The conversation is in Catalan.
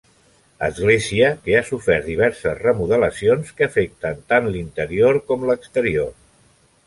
Església que ha sofert diverses remodelacions que afecten tant l'interior com l'exterior.